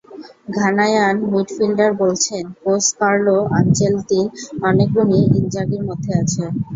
Ghanaian midfielder বলছেন, coach Carlo আনচেলত্তির অনেক গুণই ইনজাগির মধ্যে আছে।